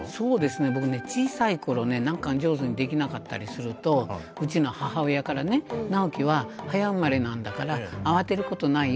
僕ね小さい頃ね何か上手にできなかったりするとうちの母親からね「直樹は早生まれなんだから慌てることないよ。